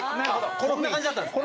こんな感じだったんですね。